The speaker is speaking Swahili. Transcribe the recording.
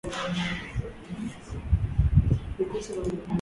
Miili ya wanyama waliokufa huwa imedhoofika